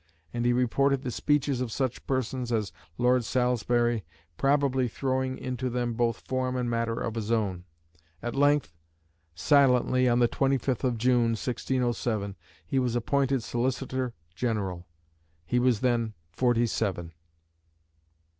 And he reported the speeches of such persons as Lord Salisbury, probably throwing into them both form and matter of his own. At length, "silently, on the 25th of June," 1607, he was appointed Solicitor General. He was then forty seven.